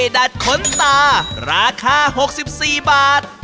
ดัดขนตาราคา๖๔บาท